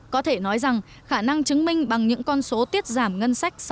có thể nói rằng khả năng chứng minh bằng những con số tiết giảm ngân sách